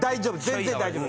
全然大丈夫。